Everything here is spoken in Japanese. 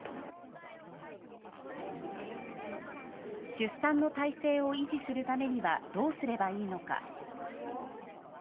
出産の体制を維持するためにはどうすればいいのか。